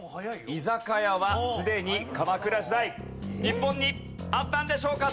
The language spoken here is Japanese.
居酒屋はすでに鎌倉時代日本にあったんでしょうか？